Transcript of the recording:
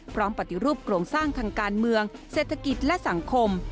ปฏิรูปโครงสร้างทางการเมืองเศรษฐกิจและสังคม